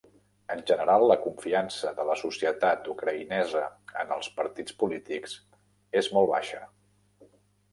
En general, la confiança de la societat ucraïnesa en els partits polítics és molt baixa.